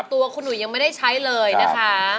ตัวคุณหุยยังไม่ได้ใช้เลยนะคะ